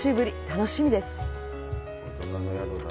楽しみです。